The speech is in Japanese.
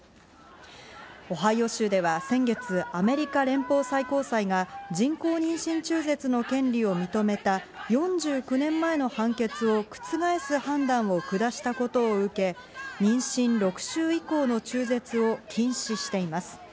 オハイオ州では先月、アメリカ連邦最高裁が人工妊娠中絶の権利を認めた４９年前の判決を覆す判断を下したことを受け、妊娠６週以降の中絶を禁止しています。